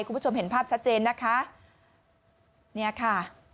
คุณผู้ชมเห็นภาพชัดเจนนะคะเนี่ยค่ะ